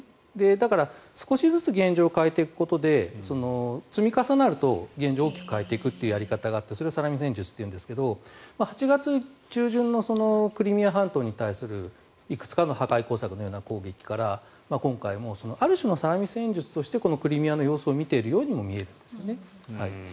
だから少しずつ現状を変えていくことで積み重なると現状を大きく変えるやり方があってそれをサラミ戦術というんですが８月中旬のクリミア半島に対するいくつかの破壊工作のような攻撃から今回もある種のサラミ戦術としてこのクリミアの様子を見ているようにも見えるですね。